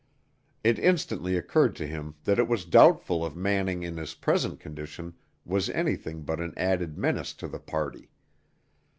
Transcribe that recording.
It instantly occurred to him that it was doubtful if Manning in his present condition was anything but an added menace to the party.